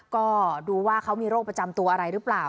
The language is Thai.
ก็ดูว่าเขามีโรคประจำตัวอะไรหรือเปล่า